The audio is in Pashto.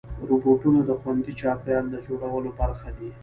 روبوټونه د خوندي چاپېریال د جوړولو برخه دي.